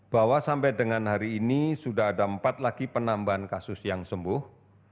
bahwa sampai dengan hari ini sudah ada empat lagi penambahan kasus yang sembuh